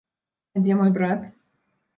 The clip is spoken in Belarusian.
А дзе мой брат?